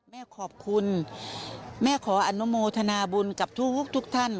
แม่ขอบคุณแม่ขออนุโมทนาบุญกับทุกท่าน